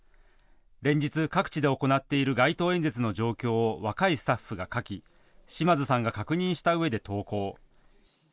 連日、各地で行っている街頭演説の状況を若いスタッフが書き嶌津さんが確認したうえで投稿。